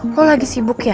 lo lagi sibuk ya